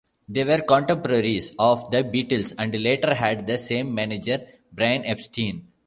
They were contemporaries of The Beatles, and later had the same manager, Brian Epstein.